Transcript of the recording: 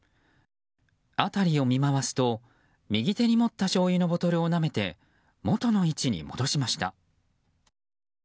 辺りを見回すと、右手に持ったしょうゆのボトルをなめて元の位置に戻しました。